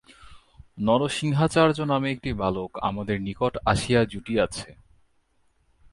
নরসিংহাচার্য নামে একটি বালক আমাদের নিকট আসিয়া জুটিয়াছে।